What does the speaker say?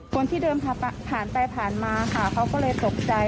คนที่เดินผ่านไปผ่านมาค่ะเขาก็เลยตกใจ